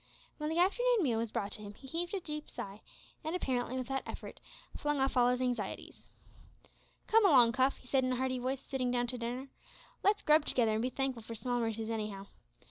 When the afternoon meal was brought to him, he heaved a deep sigh, and apparently, with that effort flung off all his anxieties. "Come along, Cuff," he said in a hearty voice, sitting down to dinner, "let's grub together an' be thankful for small mercies, anyhow.